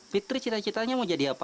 fitri cita citanya mau jadi apa